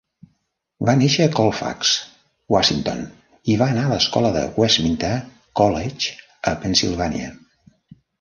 Va néixer a Colfax, Washington, i va anar a l'escola al Westminster College, a Pennsilvània.